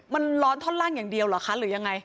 มันร้อนท่อนล่างอย่างเดียวเหรอคะหรือยังไง